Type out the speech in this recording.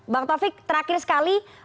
bang taufik terakhir sekali